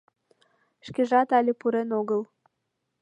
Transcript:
Шкежат але пурен огыл.